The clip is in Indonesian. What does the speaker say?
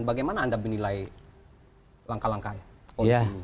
bagaimana anda menilai langkah langkahnya